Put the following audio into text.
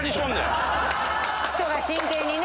人が真剣にね。